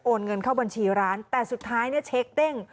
เงินเข้าบัญชีร้านแต่สุดท้ายเนี่ยเช็คเด้ง